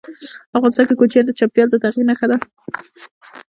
افغانستان کې کوچیان د چاپېریال د تغیر نښه ده.